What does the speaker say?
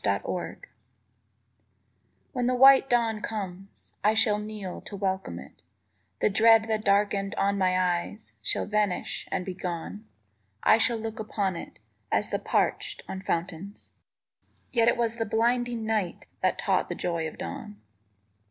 THE AWAKENING When the white dawn comes I shall kneel to welcome it; The dread that darkened on my eyes Shall vanish and be gone. I shall look upon it As the parched on fountains, Yet it was the blinding night _That taught the joy of dawn.